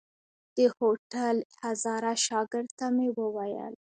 د هوټل هزاره شاګرد ته مې وويل.